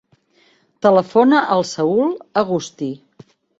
Telefona al Saül Agusti.